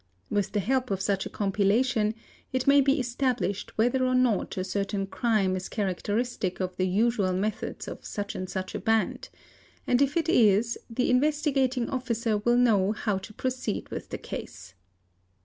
With the help of such a compilation it may be established whether or not a certain crime is characteristic of the usual methods of such and such a band, and if it is, the Investigating Officer will know how to proceed with the case.